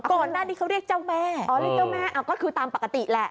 ก่อนหน้านี้เขาเรียกเจ้าแม่อ๋อเรียกเจ้าแม่ก็คือตามปกติแหละ